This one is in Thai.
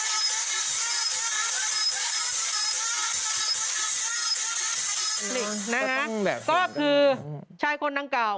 ก็คือใช่คนตั้งเก่า